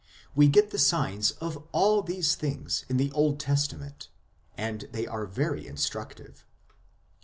We get the signs of all these things in the Old Testament, and they are very instructive.